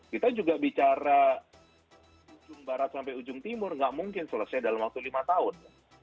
kita juga bicara ujung barat sampai ujung timur nggak mungkin selesai dalam waktu lima tahun